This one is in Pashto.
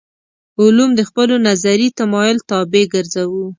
علوم د خپلو نظري تمایل طابع ګرځوو.